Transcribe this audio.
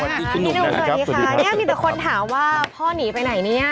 วันนี้ทุกคนสวัสดีครับทุกคนถามว่าพ่อหนีไปไหนเนี่ย